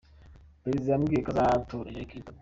"Perezida yambwiye ko azatora Hillary Clinton!".